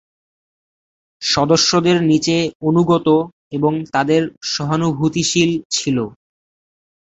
সদস্যদের নিচে "অনুগত", এবং তাদের "সহানুভূতিশীল" ছিল।